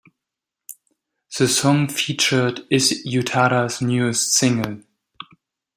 The song featured is Utada's newest single.